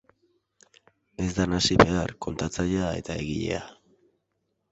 Ez da nahasi behar kontatzailea eta egilea.